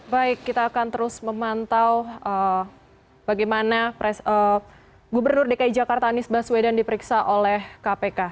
baik kita akan terus memantau bagaimana gubernur dki jakarta anies baswedan diperiksa oleh kpk